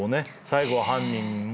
最後は犯人。